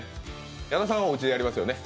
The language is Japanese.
矢田さんはおうちでやりますよね。